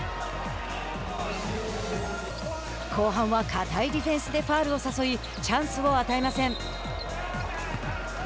後半は堅いディフェンスでファウルを誘いチャンスを与えません。